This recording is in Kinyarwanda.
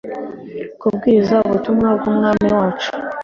Kubwiriza ubutumwa bw Umwami wacu